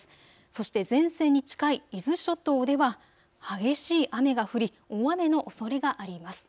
そして前線に近い伊豆諸島では激しい雨が降り大雨のおそれがあります。